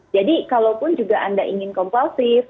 jadi kalau pun juga anda ingin kompalsif